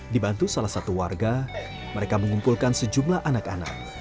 dibantu salah satu warga mereka mengumpulkan sejumlah anak anak